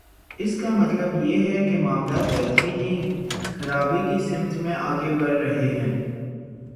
اس کا مطلب یہ ہے کہ معاملات بہتری نہیں، خرابی کی سمت میں آگے بڑھ رہے ہیں۔